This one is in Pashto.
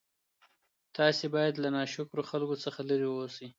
تاسي باید له ناشکرو خلکو څخه لیري اوسئ.